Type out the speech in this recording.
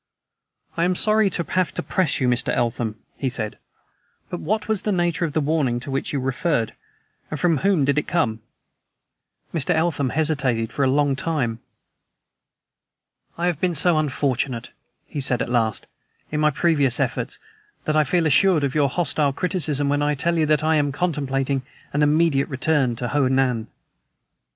"I am sorry to have to press you, Mr. Eltham," he said, "but what was the nature of the warning to which you referred, and from whom did it come?" Mr. Eltham hesitated for a long time. "I have been so unfortunate," he said at last, "in my previous efforts, that I feel assured of your hostile criticism when I tell you that I am contemplating an immediate return to Ho Nan!"